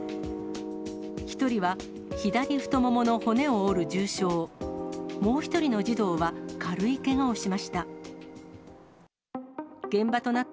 １人は左太ももの骨を折る重傷、もう１人の児童は軽いけがをしました。